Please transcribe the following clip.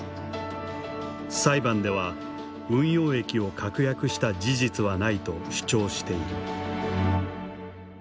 裁判では「運用益を確約した事実はない」と主張している。